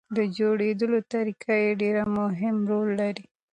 د جوړېدو طریقه یې ډېر مهم رول لري.